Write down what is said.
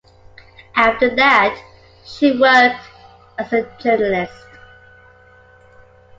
After that she worked as a journalist.